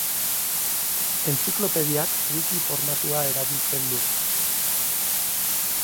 Entziklopediak wiki formatua erabiltzen du.